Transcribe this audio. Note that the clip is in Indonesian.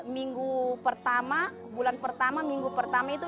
minggu pertama bulan pertama minggu pertama itu